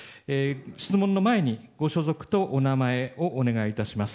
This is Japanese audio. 質問の前にご所属とお名前をお願いいたします。